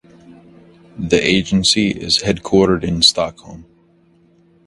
The agency is headquartered in Stockholm.